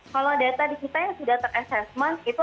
kalau data disitu yang sudah terassessment itu